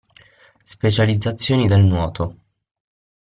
Specializzazioni del nuoto.